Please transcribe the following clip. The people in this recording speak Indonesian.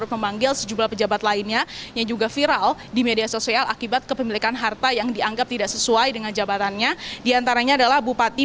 memiliki kepemilikan harta yang dianggap tidak sesuai dengan jabatannya diantaranya adalah bupati